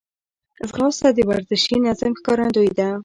ځغاسته د ورزشي نظم ښکارندوی ده